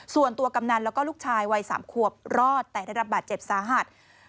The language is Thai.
ส่วนตัวกำนันและลูกชายวัย๓ขวบรอดแต่ได้รับบาดเจ็บสาหัส